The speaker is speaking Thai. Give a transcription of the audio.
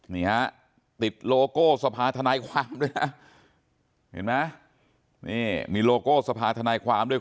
นี่ฮะติดโลโก้สภาธนายความด้วยนะเห็นไหมนี่มีโลโก้สภาธนายความด้วย